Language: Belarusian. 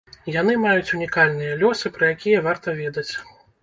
Яны маюць унікальныя лёсы, пра якія варта ведаць.